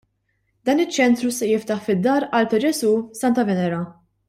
Dan iċ-ċentru se jiftaħ fid-Dar Qalb ta' Ġesù, Santa Venera.